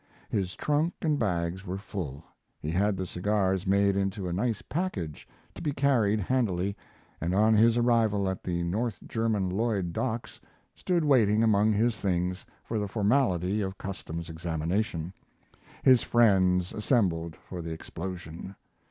His trunk and bags were full; he had the cigars made into a nice package, to be carried handily, and on his arrival at the North German Lloyd docks stood waiting among his things for the formality of Customs examination, his friends assembled for the explosion.